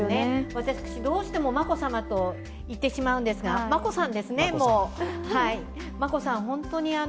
私、どうしても「眞子さま」と言ってしまうんですが、「眞子さん」ですね、もう。